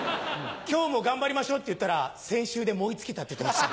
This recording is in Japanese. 「今日も頑張りましょう」って言ったら「先週で燃え尽きた」って言ってました。